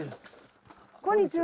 こんにちは。